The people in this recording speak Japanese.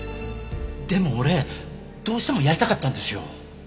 でも俺どうしてもやりたかったんですよ。